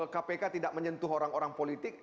kpk tidak menyentuh orang orang politik